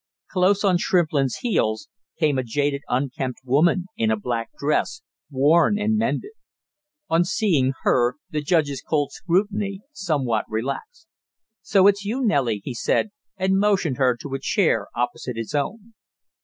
Close on Shrimplin's heels came a jaded unkempt woman in a black dress, worn and mended. On seeing her the judge's cold scrutiny somewhat relaxed. "So it's you, Nellie?" he said, and motioned her to a chair opposite his own.